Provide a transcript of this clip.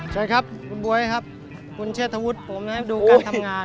เชิญครับคุณบ๊วยครับคุณเชษฐวุฒิผมนะครับดูการทำงาน